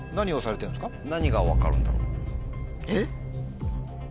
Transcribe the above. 何が分かるんだろう？